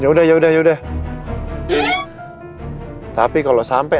ya udah ya udah ya udah tapi kalau sampai